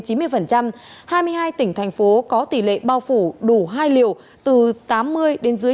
hai mươi hai tỉnh thành phố có tỷ lệ bao phủ đủ hai liều từ tám mươi đến dưới